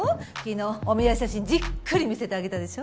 昨日お見合い写真じっくり見せてあげたでしょ。